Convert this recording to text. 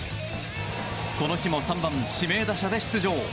この日も３番指名打者で出場。